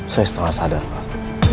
saya setengah sadar pak